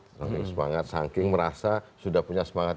saking semangat saking merasa sudah punya semangat